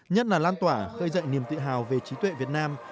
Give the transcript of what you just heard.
nhất là lan tỏa khơi dậy niềm tự hào về trí tuệ việt nam